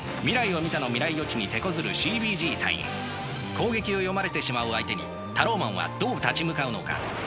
攻撃を読まれてしまう相手にタローマンはどう立ち向かうのか。